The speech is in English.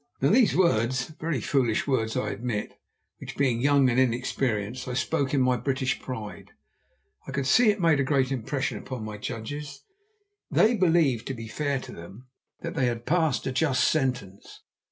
Now these words, very foolish words, I admit, which being young and inexperienced I spoke in my British pride, I could see made a great impression upon my judges. They believed, to be fair to them, that they had passed a just sentence.